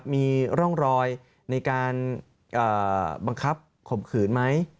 มีร่องรอยในการบังคับข่มขืนไหม